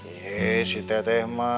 iya sih teh teh